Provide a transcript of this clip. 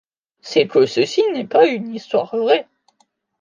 c'est que ceci n'est pas une histoire vraie.